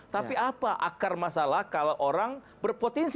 tapi apa akar masalah kalau orang berpotensi